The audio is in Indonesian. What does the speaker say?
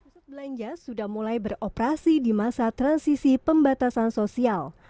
pusat belanja sudah mulai beroperasi di masa transisi pembatasan sosial